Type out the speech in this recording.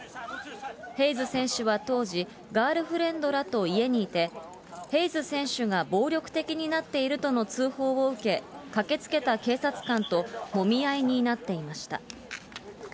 ヘイズ選手は当時、ガールフレンドらと家にいて、ヘイズ選手が暴力的になっているとの通報を受け、駆けつけた警察官ともみ合いになっていました。